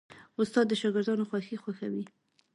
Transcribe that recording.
استاد د شاګردانو خوښي خوښوي.